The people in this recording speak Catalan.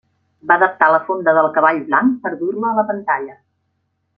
Va adaptar La fonda del cavall blanc per dur-la a la pantalla.